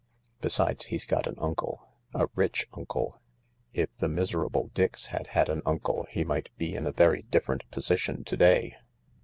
Besides, he's got an uncle : a rich uncle, If the miserable Dix had had an uncle he might be in a very different position to day.